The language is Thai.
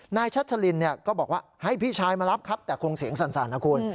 ชัชลินก็บอกว่าให้พี่ชายมารับครับแต่คงเสียงสั่นนะคุณ